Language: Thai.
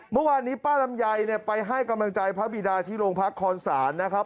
เมื่อวานนี้ป้าลำไยเนี่ยไปให้กำลังใจพระบิดาที่โรงพักคอนศาลนะครับ